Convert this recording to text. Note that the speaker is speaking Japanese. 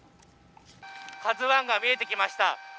「ＫＡＺＵⅠ」が見えてきました。